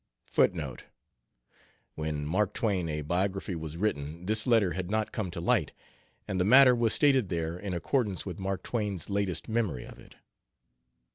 [When Mark Twain: A Biography was written this letter had not come to light, and the matter was stated there in accordance with Mark Twain's latest memory of it.